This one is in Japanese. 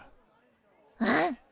うん。